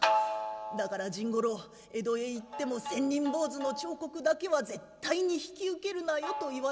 だから甚五郎江戸へ行っても千人坊主の彫刻だけは絶対に引き受けるなよと言われてきた。